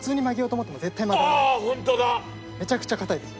めちゃくちゃ硬いですよ。